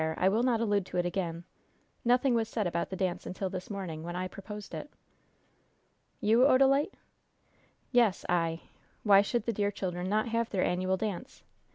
I will not allude to it again nothing was said about the dance until this morning, when I proposed it." "You, Odalite?" "Yes, I! Why should the dear children not have their annual dance?